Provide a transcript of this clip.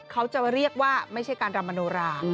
เขาจะเรียกว่าไม่ใช่การรำมโนรา